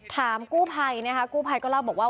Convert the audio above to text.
ถามกู้ไพรนะครับกู้ไพรก็เล่าบอกว่า